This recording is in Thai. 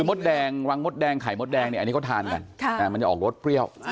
มดแดงรังมดแดงไข่มดแดงเนี่ยอันนี้เขาทานกันมันจะออกรสเปรี้ยว